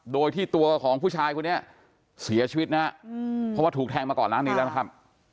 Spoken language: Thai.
โดยที่ตัวของผู้ชายคนนี้เสียชีวิตนะครับเพราะว่าถูกแทงมาก่อนหน้านี้แล้วนะครับ